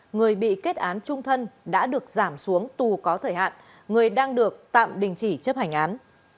người bị kết án trung thân đã được giảm xuống tù có thời hạn người đang được tạm đình chỉ chấp hành án